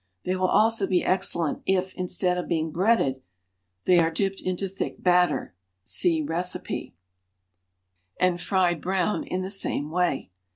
They will also be excellent if, instead of being breaded, they are dipped into thick batter (see recipe) and fried brown in the same way.